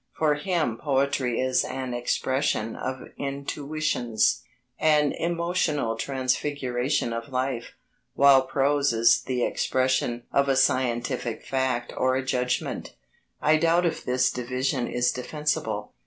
For him poetry is an expression of intuitions an emotional transfiguration of life while prose is the expression of a scientific fact or a judgment. I doubt if this division is defensible.